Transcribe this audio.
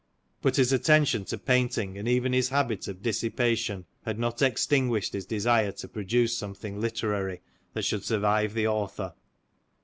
But his attention to painting and even his habit of dissi pation, had not extinguished his desire to produce something literary that should survive the author.